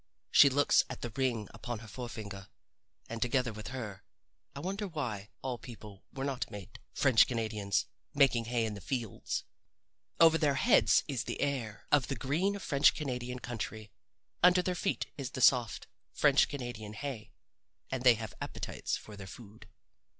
She looks at the ring upon her forefinger and together with her I wonder why all people were not made French Canadians making hay in the fields. Over their heads is the air of the green French Canadian country; under their feet is the soft French Canadian hay. And they have appetites for their food.